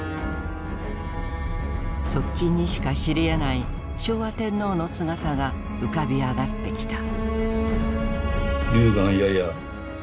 側近にしか知りえない昭和天皇の姿が浮かび上がってきた。